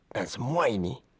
dan semua ini